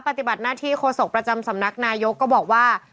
ปฏิบัติหน้าที่โฆษกประจำสำนักนายกก็บอกว่า